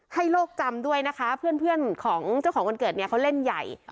โลกจำด้วยนะคะเพื่อนของเจ้าของวันเกิดเนี่ยเขาเล่นใหญ่